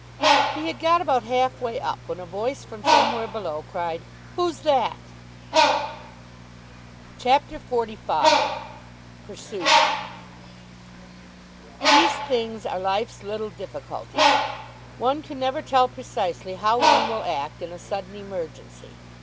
He had got about half way up when a voice from somewhere below cried, "Who's that?" CHAPTER XLV PURSUIT These things are Life's Little Difficulties. One can never tell precisely how one will act in a sudden emergency.